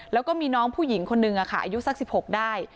แล้วก็มีน้องผู้หญิงคนนึงอายุสัก๑๖ได้